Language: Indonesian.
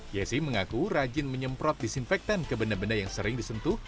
yesi mengaku rajin menyemprot disinfektan ke benda benda yang sering disentuh